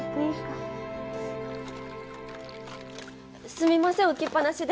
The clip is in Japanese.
すみません置きっぱなしで。